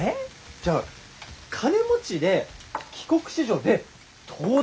じゃあ金持ちで帰国子女で東大？